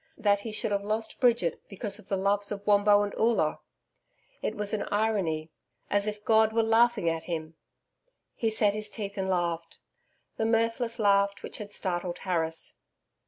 That he should have lost Bridget because of the loves of Wombo and Oola! It was an irony as if God were laughing at him. He set his teeth and laughed the mirthless laugh which had startled Harris....